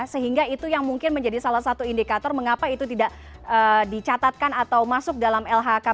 sehingga itu yang mungkin menjadi salah satu indikator mengapa itu tidak dicatatkan atau masuk dalam lhkpn ya pak hala